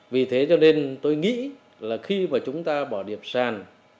vì thế cho nên tôi nghĩ là khi mà chúng ta bỏ điểm sàn